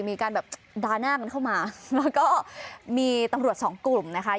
มีการแบบดาหน้ากันเข้ามาแล้วก็มีตำรวจสองกลุ่มนะคะ